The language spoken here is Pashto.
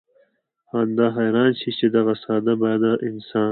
بنده حيران شي چې دغه ساده باده انسان